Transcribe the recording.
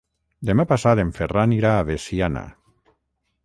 Demà passat en Ferran irà a Veciana.